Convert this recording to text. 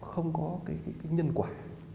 không có cái nhân quả